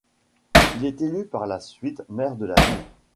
Il est élu par la suite maire de la ville.